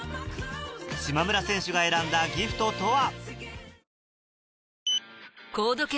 島村選手が選んだギフトとは？